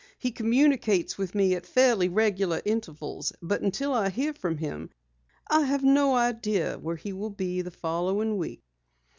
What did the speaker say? He communicates with me at fairly regular intervals, but until I hear from him, I have no idea where he will be the following week."